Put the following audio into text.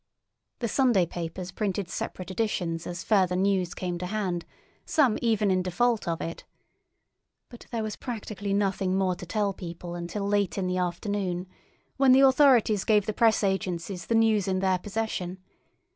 The Sunday papers printed separate editions as further news came to hand, some even in default of it. But there was practically nothing more to tell people until late in the afternoon, when the authorities gave the press agencies the news in their possession.